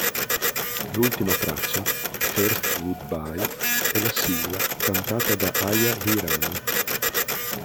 L'ultima traccia, "First Good-Bye", è la sigla, cantata da Aya Hirano.